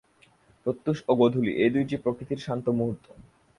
প্রত্যূষ ও গোধূলি, এই দুইটি প্রকৃতির শান্ত মুহূর্ত।